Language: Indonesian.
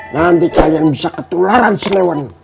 nanti kalian bisa ketularan silewan